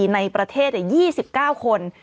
ในประเทศ๒๙คน